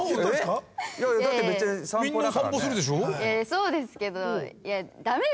そうですけどいや。